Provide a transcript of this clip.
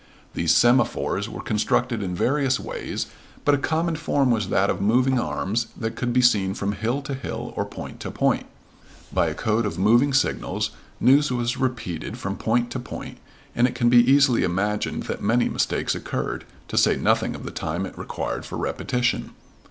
These semaphores were constructed in various ways, but a common form was that of moving arms that could be seen from hill to hill or point to point. By a code of moving signals news was repeated from point to point and it can be easily imagined that many mistakes occurred, to say nothing of the time it required for repetition.